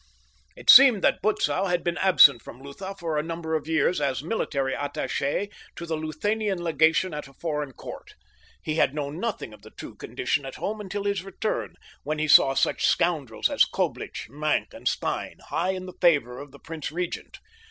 It seemed that Butzow had been absent from Lutha for a number of years as military attache to the Luthanian legation at a foreign court. He had known nothing of the true condition at home until his return, when he saw such scoundrels as Coblich, Maenck, and Stein high in the favor of the prince regent.